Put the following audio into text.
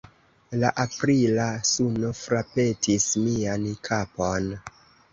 La aprila suno frapetis mian kapon.